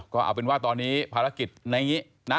ก็เอาเป็นว่าตอนนี้ภารกิจในนี้นะ